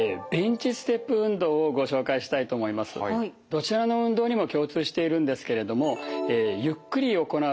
どちらの運動にも共通しているんですけれどもゆっくり行うことがポイントです。